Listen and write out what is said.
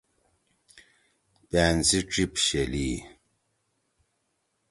پأن سی ڇیِپ شیلی ہی۔